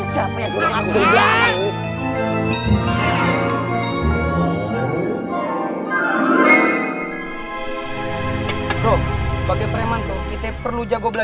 sampai oh iya aku disuruh apa cabar itu aku lelit semua that's crazy